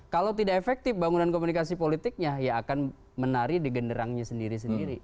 kalau tidak efektif bangunan komunikasi politiknya ya akan menari di genderangnya sendiri sendiri